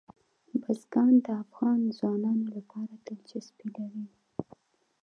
بزګان د افغان ځوانانو لپاره دلچسپي لري.